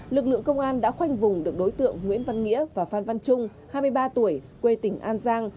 lực lượng công an đã khoanh vùng được đối tượng nguyễn văn nghĩa và phan văn trung hai mươi ba tuổi quê tỉnh an giang